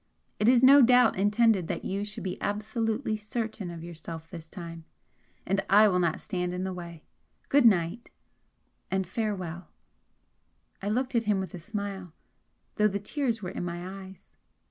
It is no doubt intended that you should be absolutely certain of yourself this time. And I will not stand in the way. Good night, and farewell!" I looked at him with a smile, though the tears were in my eyes.